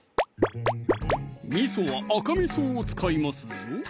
みそは赤みそを使いますぞ